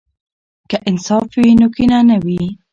که انصاف وي، نو کینه نه وي.